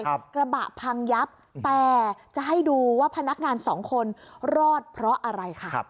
กระบะพังยับแต่จะให้ดูว่าพนักงานสองคนรอดเพราะอะไรค่ะ